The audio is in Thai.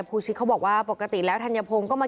พุ่งเข้ามาแล้วกับแม่แค่สองคน